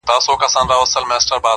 چي د ښار خلک به ستړي په دعا کړم-